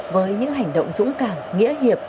với những hành động dũng cảm nghĩa hiệp